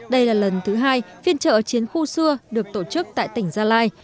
đây là lần thứ hai phiên trợ chiến khu xưa được tổ chức tại tỉnh gia lai